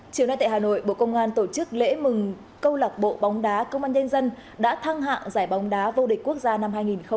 chiều nay tại hà nội bộ công an tổ chức lễ mừng công lạc bộ bóng đá công an nhân dân đã thăng hạng giải bóng đá vô địch quốc gia năm hai nghìn hai mươi ba